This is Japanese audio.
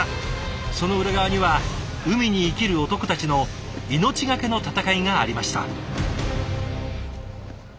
その裏側には海に生きる男たちの命がけの戦いがありました。